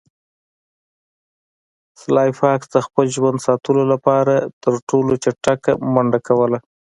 سلای فاکس د خپل ژوند ساتلو لپاره تر ټولو چټکه منډه کوله